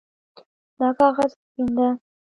دا کاغذ سپین ده